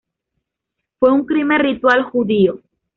Fue un crimen ritual judío.